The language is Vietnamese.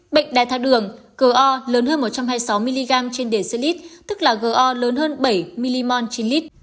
bệnh đài tháo đường go lớn hơn một trăm hai mươi sáu mg trên decilit tức là go lớn hơn bảy mg trên lit